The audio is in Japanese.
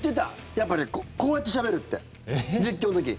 やっぱりこうやってしゃべるって実況の時。